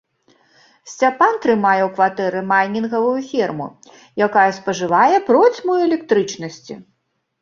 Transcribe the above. Сцяпан трымае ў кватэры майнінгавую ферму, якая спажывае процьму электрычнасці.